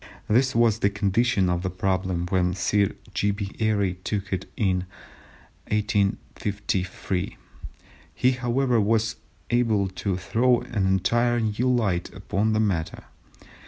This was the condition of the problem when Sir G. B. Airy took it up in 1853. He, however, was able to throw an entirely new light upon the matter.